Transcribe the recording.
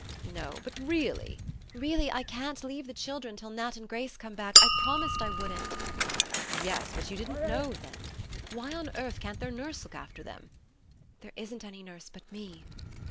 "No; but really " "Really, I can't leave the children till Nat and Grace come back. I promised I wouldn't." "Yes; but you didn't know then.... Why on earth can't their nurse look after them?" "There isn't any nurse but me."